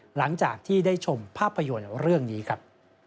หลังจากที่ได้ชมภาพยนตร์เรื่องนี้ครับ